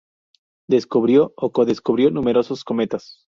Descubrió o co-descubrió numerosos cometas.